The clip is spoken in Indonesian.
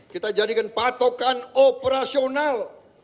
kita jadikan patokan operasional